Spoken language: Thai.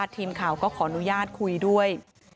ทีมข่าวก็ขออนุญาตคุยด้วย